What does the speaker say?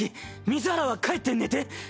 水原は帰って寝て。